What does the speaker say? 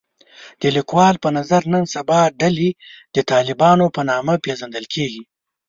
د لیکوال په نظر نن سبا ډلې د طالبانو په نامه پېژندل کېږي